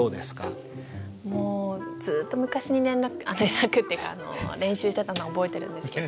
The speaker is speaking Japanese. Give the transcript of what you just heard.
もうずっと昔に連絡連絡っていうか練習してたのは覚えてるんですけど。